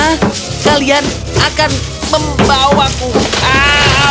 aku akan membawaku keluar